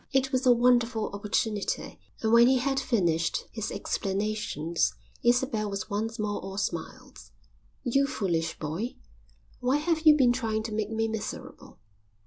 It was a wonderful opportunity, and when he had finished his explanations Isabel was once more all smiles. "You foolish boy, why have you been trying to make me miserable?"